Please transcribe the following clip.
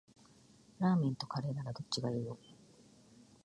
ラーメンとカレーならどっちがいいの？